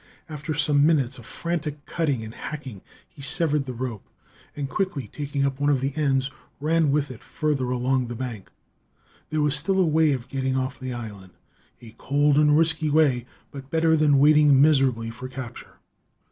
After some minutes of frantic cutting and hacking he severed the rope, and, quickly taking up one of the ends, ran with it further along the bank. There was still a way of getting off the island. A cold and risky way, but better than waiting miserably for capture.